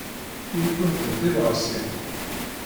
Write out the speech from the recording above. Ili-kent d tibɣasin.